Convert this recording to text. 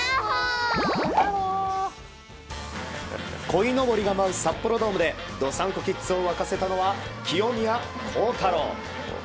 こいのぼりが舞う札幌ドームでドサンコキッズを沸かせたのは清宮幸太郎。